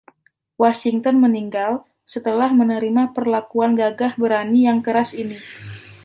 Washington meninggal setelah menerima perlakuan gagah berani yang keras ini.